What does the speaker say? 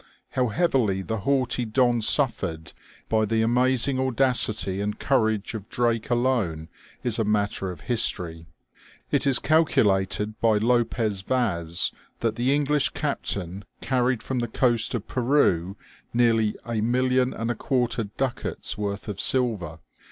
How heavily the haughty Don suffered by the amazing audacity and courage of Drake alone is a matter of history. It is calculated by Lopez Vaz that the English captain carried from the coast of Peru nearly a million and a quarter ducats' worth of silver.